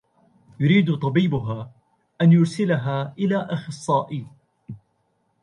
يريد طبيبها أن يرسلها إلى أخصائي.